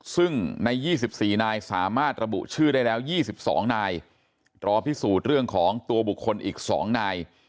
ซึ่งในยี่สิบสี่นายสามารถระบุชื่อได้แล้วยี่สิบสองนายตรอพิสูจน์เรื่องของตัวบุคคลอีกสองนาย